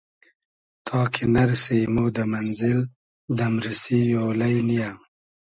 تا کی نئرسی مۉ دۂ مئنزیل دئمریسی اۉلݷ نییۂ